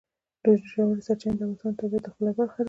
ژورې سرچینې د افغانستان د طبیعت د ښکلا برخه ده.